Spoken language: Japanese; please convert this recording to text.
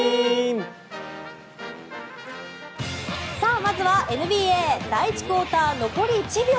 まずはＮＢＡ第１クオーター、残り１秒。